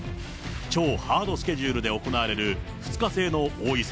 超ハードスケジュールで行われる、２日制の王位戦